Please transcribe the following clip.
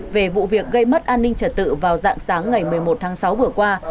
về vụ việc gây mất an ninh trật tự vào dạng sáng ngày một mươi một tháng sáu vừa qua